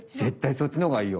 そっちのほうがいいよ。